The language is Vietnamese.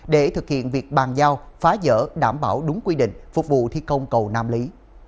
để thực hiện việc bàn giao phá dỡ đảm bảo đúng quy định phục vụ thi công cầu nam lý